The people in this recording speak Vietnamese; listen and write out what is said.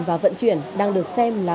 và vận chuyển đang được xem là